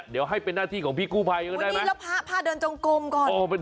เดี๋ยวให้เป็นหน้าที่ของพี่กู้ภัยก็ได้มั้ยวันนี้ละพาเดินจงกลมก่อน